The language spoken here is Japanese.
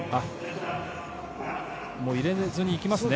入れずにいきますね。